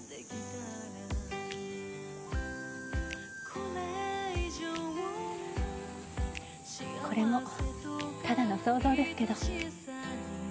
これもただの想像ですけど。